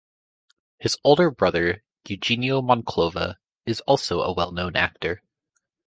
His older brother, Eugenio Monclova, is also a well-known actor.